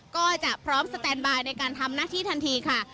ก็จะพร้อมสแตนบายในการทำหน้าที่ทันทีค่ะ